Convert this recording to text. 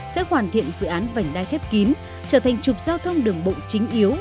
sẽ hoàn thiện dự án vành đai khép kín trở thành trục giao thông đường bộ chính yếu